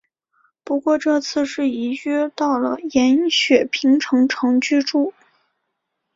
不过这次是移居到了延雪平城城居住。